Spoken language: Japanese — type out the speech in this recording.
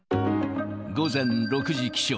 午前６時起床。